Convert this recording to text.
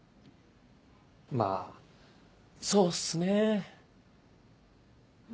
まぁそうっすね。